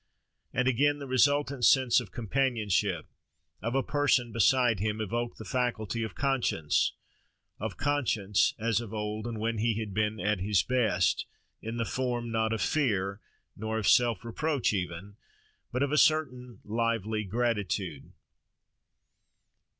And again, the resultant sense of companionship, of a person beside him, evoked the faculty of conscience—of conscience, as of old and when he had been at his best, in the form, not of fear, nor of self reproach even, but of a certain lively gratitude.